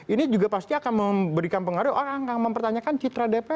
ini juga pasti akan memberikan pengaruh orang akan mempertanyakan citra dpr